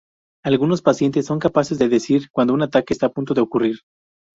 Algunos pacientes son capaces de decir cuando un ataque está a punto de ocurrir.